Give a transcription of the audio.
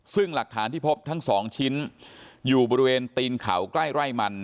ซึ่งหลักฐานที่พบทั้งสองชิ้นอยู่บริเวณตีนเขาใกล้ไร่มัน